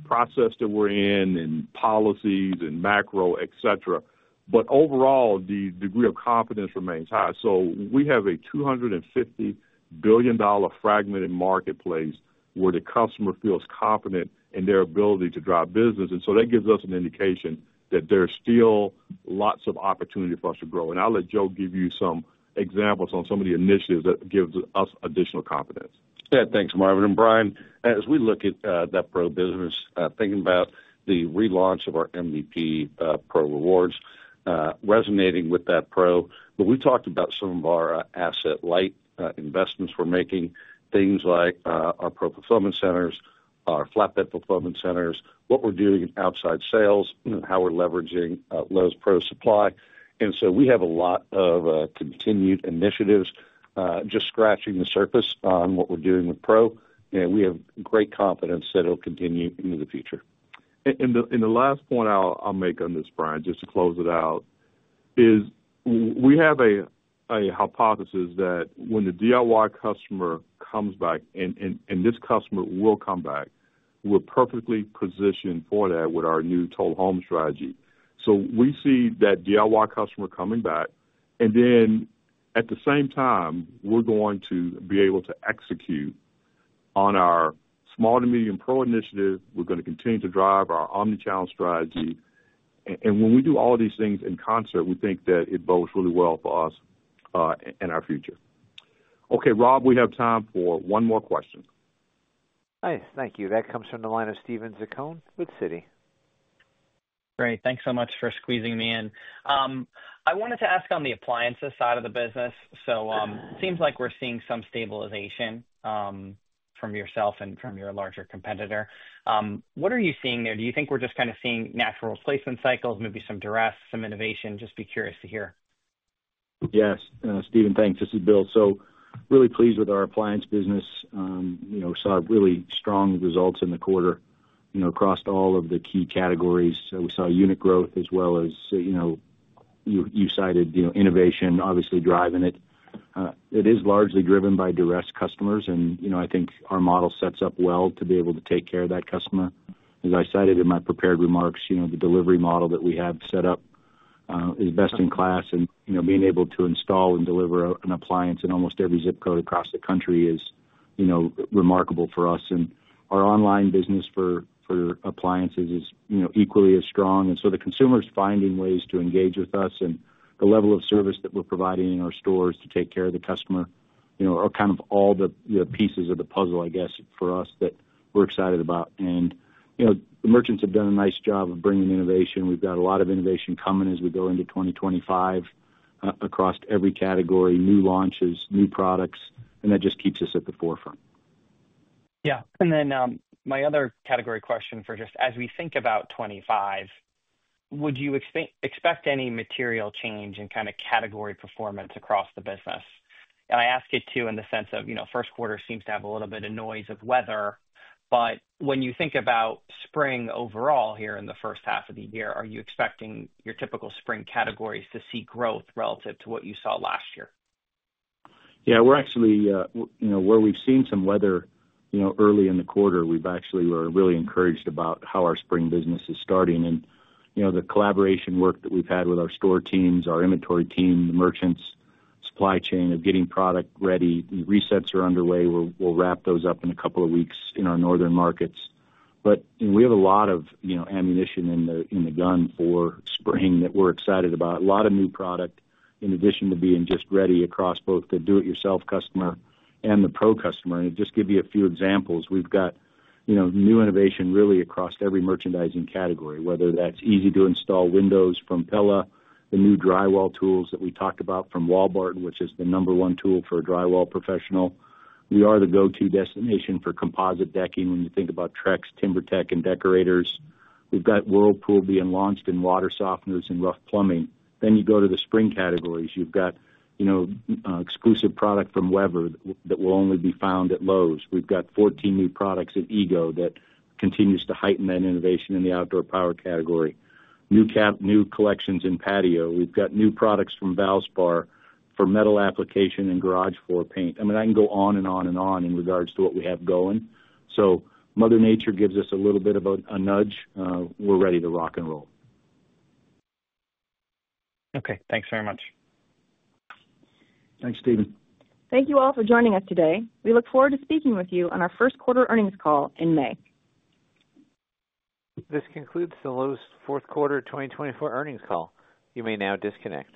process that we're in and policies and macro, etc. But overall, the degree of confidence remains high. So we have a $250 billion fragmented marketplace where the customer feels confident in their ability to drive business. And so that gives us an indication that there's still lots of opportunity for us to grow. And I'll let Joe give you some examples on some of the initiatives that gives us additional confidence. Thanks, Marvin. And Brian, as we look at that Pro business, thinking about the relaunch of our MyLowe's Pro Rewards, resonating with that Pro, but we talked about some of our asset-light investments we're making, things like our Pro fulfillment centers, our flatbed fulfillment centers, what we're doing in outside sales, and how we're leveraging Lowe's Pro Supply. And so we have a lot of continued initiatives, just scratching the surface on what we're doing with Pro. And we have great confidence that it'll continue into the future. And the last point I'll make on this, Brian, just to close it out, is we have a hypothesis that when the DIY customer comes back, and this customer will come back, we're perfectly positioned for that with our new Total Home Strategy. So we see that DIY customer coming back. And then at the same time, we're going to be able to execute on our small to medium Pro initiative. We're going to continue to drive our omnichannel strategy. And when we do all these things in concert, we think that it bodes really well for us and our future. Okay, Rob, we have time for one more question. Nice. Thank you. That comes from the line of Steven Zaccone with Citi. Great. Thanks so much for squeezing me in. I wanted to ask on the appliances side of the business. So it seems like we're seeing some stabilization from yourself and from your larger competitor. What are you seeing there? Do you think we're just kind of seeing natural replacement cycles, maybe some duress, some innovation? Just be curious to hear. Yes. Steven, thanks. This is Bill. So really pleased with our appliance business. We saw really strong results in the quarter across all of the key categories. We saw unit growth as well as you cited innovation, obviously driving it. It is largely driven by duress customers. And I think our model sets up well to be able to take care of that customer. As I cited in my prepared remarks, the delivery model that we have set up is best in class. And being able to install and deliver an appliance in almost every zip code across the country is remarkable for us. And our online business for appliances is equally as strong. And so the consumer is finding ways to engage with us. And the level of service that we're providing in our stores to take care of the customer are kind of all the pieces of the puzzle, I guess, for us that we're excited about. And the merchants have done a nice job of bringing innovation. We've got a lot of innovation coming as we go into 2025 across every category, new launches, new products. And that just keeps us at the forefront. Yeah. And then my other category question for just as we think about 2025, would you expect any material change in kind of category performance across the business? And I ask it too in the sense of first quarter seems to have a little bit of noise of weather. But when you think about spring overall here in the first half of the year, are you expecting your typical spring categories to see growth relative to what you saw last year? Yeah. Where we've seen some weather early in the quarter, we've actually were really encouraged about how our spring business is starting. And the collaboration work that we've had with our store teams, our inventory team, the merchants, supply chain of getting product ready. The resets are underway. We'll wrap those up in a couple of weeks in our northern markets. But we have a lot of ammunition in the gun for spring that we're excited about. A lot of new product in addition to being just ready across both the do-it-yourself customer and the Pro customer. And just give you a few examples. We've got new innovation really across every merchandising category, whether that's easy-to-install windows from Pella, the new drywall tools that we talked about from Wal-Board Tools, which is the number one tool for a drywall professional. We are the go-to destination for composite decking when you think about Trex, TimberTech, and Deckorators. We've got Whirlpool being launched in water softeners and rough plumbing. Then you go to the spring categories. You've got exclusive product from Weber that will only be found at Lowe's. We've got 14 new products at EGO that continues to heighten that innovation in the outdoor power category. New collections in Patio. We've got new products from Valspar for metal application and garage floor paint. I mean, I can go on and on and on in regards to what we have going. So Mother Nature gives us a little bit of a nudge. We're ready to rock and roll. Okay. Thanks very much. Thanks, Steven. Thank you all for joining us today. We look forward to speaking with you on our first quarter earnings call in May. This concludes the Lowe's fourth quarter 2024 earnings call. You may now disconnect.